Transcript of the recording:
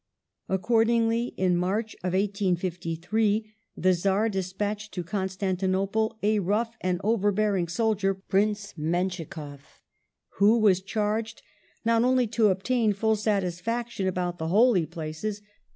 Accordingly, in March, 1853, the Czar despatched to Constantinople a rough and overbearing soldier. Prince MenschikofF, who was charged not only to obtain full satisfaction about the Holy Places, but to ig.F.L. iii. 25.